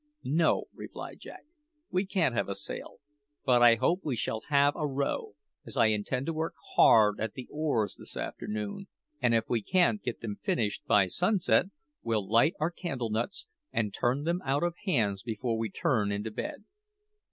"No," replied Jack, "we can't have a sail; but I hope we shall have a row, as I intend to work hard at the oars this afternoon, and if we can't get them finished by sunset, we'll light our candle nuts, and turn them out of hands before we turn into bed."